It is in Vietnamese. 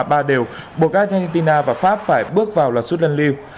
buộc argentina và pháp phải bước vào loạt suốt luân lưu